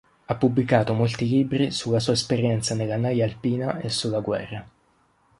Ha pubblicato molti libri sulla sua esperienza nella naja alpina e sulla guerra.